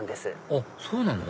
あっそうなの？